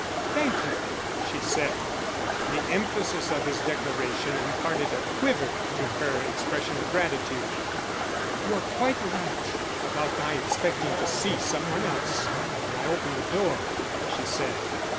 "Thank you," she said. The emphasis of his declaration imparted a quiver to her expression of gratitude. "You are quite right about my expecting to see some one else when I opened the door," she said.